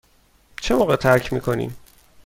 چه موقع ترک می کنیم؟